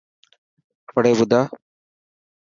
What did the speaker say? وڙي ٻڌا.